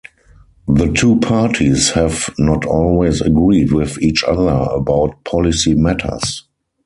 The two parties have not always agreed with each other about policy matters.